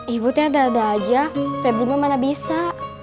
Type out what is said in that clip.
ibu tia dada aja febri mah mana bisa